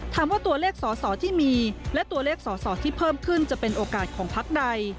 ถามว่าตัวเลขสอสอที่มีและตัวเลขสอสอที่เพิ่มขึ้นจะเป็นโอกาสของพักใด